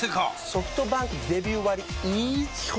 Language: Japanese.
ソフトバンクデビュー割イズ基本